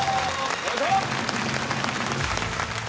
お願いします。